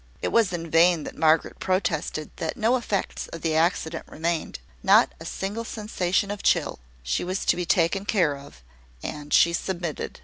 It was in vain that Margaret protested that no effects of the accident remained, not a single sensation of chill: she was to be taken care of; and she submitted.